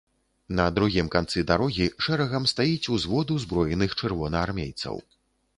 На другім канцы дарогі шэрагам стаіць узвод узброеных чырвонаармейцаў.